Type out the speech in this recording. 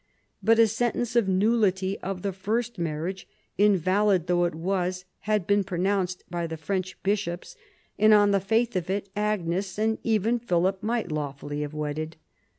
But a sentence of nullity of the first marriage, invalid though it was, had been pronounced by the French bishops, and on the faith of it Agnes, and even Philip, might lawfully have wedded.